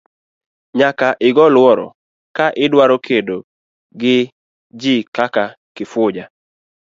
Nyaka igo luoro ka idwaro kedo koda ji kaka Kifuja.